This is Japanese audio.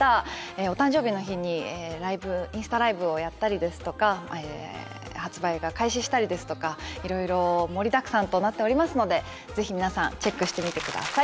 お誕生日の日にインスタライブをやったりですとか発売が開始したりですとかいろいろ盛りだくさんとなっておりますのでぜひ皆さんチェックしてみてください。